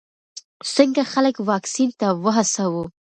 څنګه خلک واکسین ته وهڅوو؟